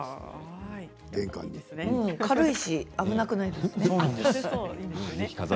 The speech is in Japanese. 軽いし危なくないですね。